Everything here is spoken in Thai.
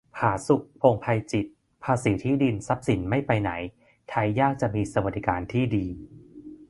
ผาสุก พงษ์ไพจิตร : ภาษีที่ดิน-ทรัพย์สินไม่ไปไหน ไทยยากจะมีสวัสดิการที่ดี